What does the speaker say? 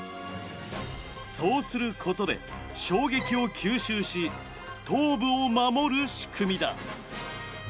そうすることで衝撃を吸収し頭部を守る仕組みだ。